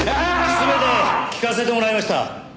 全て聞かせてもらいました。